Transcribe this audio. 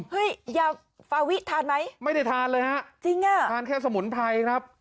ยาฟาวิทานไหมไม่ได้ทานเลยฮะจริงอ่ะทานแค่สมุนไพรครับ